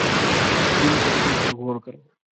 جم کورٹر پر غور کرو